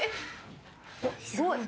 すごい。